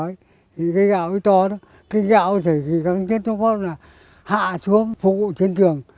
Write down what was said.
thì cây gạo nó to đó cây gạo thì kháng chiến thông pháp là hạ xuống phục vụ trên trường